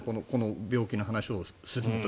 この病気の話は。